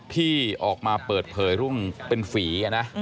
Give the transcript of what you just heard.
ที่ออกมาเปิดเผยเรื่องเป็นฝี